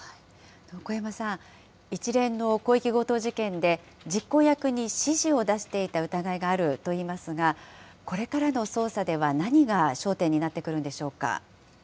小山さん、一連の広域強盗事件で実行役に指示を出していた疑いがあるといいますが、これからの捜査では何が焦点になってくるんでしょうか。